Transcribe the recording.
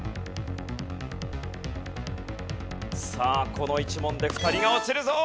この１問で２人が落ちるぞ！